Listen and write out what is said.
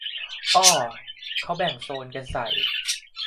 อ้อ เขาแบ่งโซนกันใส่